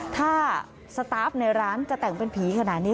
ถ้าสตาร์ฟในร้านจะแต่งเป็นผีขนาดนี้